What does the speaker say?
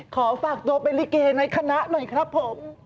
ขอฝากตัวเป็นลิเกในคณะหน่อยครับผม